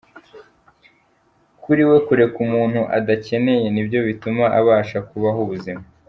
Kuri we kureka umuntu adakeneye ni byo bituma abasha kubaho ubuzima.